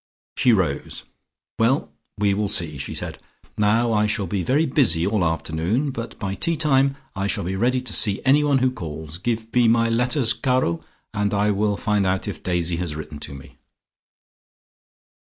She rose. "Well, we will see," she said. "Now I shall be very busy all afternoon, but by tea time I shall be ready to see anyone who calls. Give me my letters, Caro, and I will find out if Daisy has written to me."